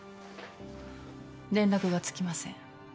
連絡がつきません。